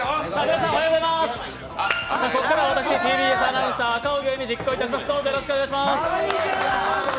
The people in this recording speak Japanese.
ここからは私ＴＢＳアナウンサー、赤荻歩実況いたします。